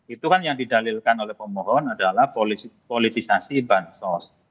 itu kan yang didalilkan oleh pemohon adalah politisasi bansos